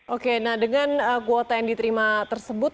oke nah dengan kuota yang diterima tersebut